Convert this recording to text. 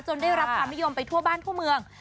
ได้รับความนิยมไปทั่วบ้านทั่วเมือง